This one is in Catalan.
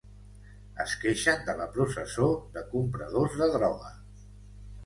Es queixen de la processó de compradors de droga.